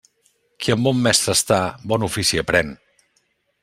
Qui amb bon mestre està, bon ofici aprén.